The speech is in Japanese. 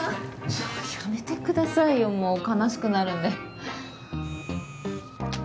ちょやめてくださいよもう悲しくなるんで。